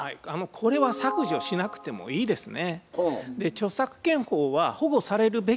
これは削除しなくてもいいですね。